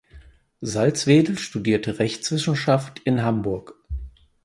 Salzwedel studierte Rechtswissenschaft in Hamburg.